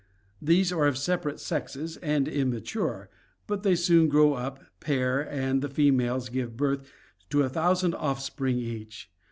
These are of separate sexes and immature, but they soon grow up, pair, and the females give birth to a thousand off spring each.